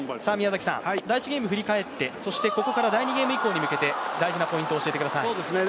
第１ゲーム振り返って、そしてここから第２ゲーム以降に向けて大事なポイント教えてください。